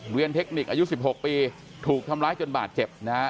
เทคนิคอายุ๑๖ปีถูกทำร้ายจนบาดเจ็บนะฮะ